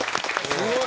すごい。